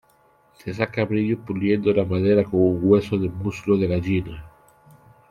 Se saca brillo puliendo la madera con un hueso de muslo de gallina.